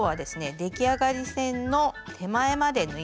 出来上がり線の手前まで縫います。